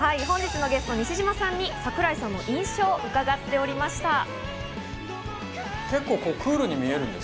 本日のゲスト・西島さんに桜井さんの印象を伺っておりました。